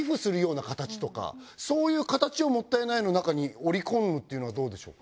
そういう形をもったい苗のなかに織り込むっていうのはどうでしょうか？